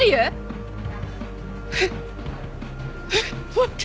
待って。